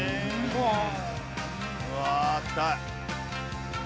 うわあ行きたい。